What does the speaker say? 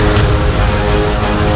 kau tak bisa menyembuhkan